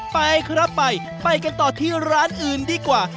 ไปครับไปไปกันต่อที่ร้านอื่นดีกว่า